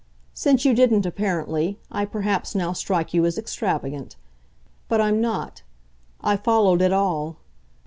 Since you didn't, apparently, I perhaps now strike you as extravagant. But I'm not I followed it all.